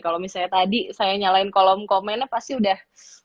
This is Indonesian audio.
kalau misalnya tadi saya nyalain kolom komennya pasti udah